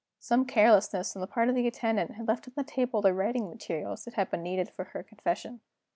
Some carelessness on the part of the attendant had left on the table the writing materials that had been needed for her confession.